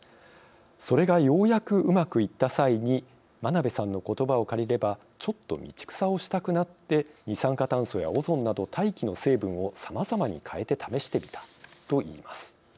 それがようやくうまくいった際に真鍋さんのことばを借りればちょっと道草をしたくなって二酸化炭素やオゾンなど大気の成分をさまざまに変えて試してみたと言います。